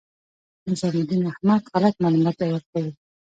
نظام الدین احمد غلط معلومات ورکوي.